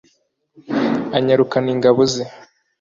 anyarukana ingabo ze